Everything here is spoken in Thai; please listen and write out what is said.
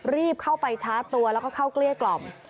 รีบเข้าไปชาร์จตัวแล้วก็เข้าเกลี้ยกล่อม